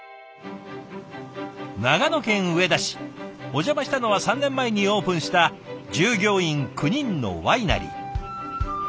お邪魔したのは３年前にオープンした従業員９人のワイナリー。